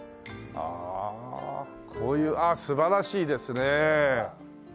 ああこういうあっ素晴らしいですねえ！